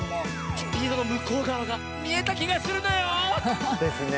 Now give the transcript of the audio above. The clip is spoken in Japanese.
スピードのむこうがわがみえたきがするのよ！ですね。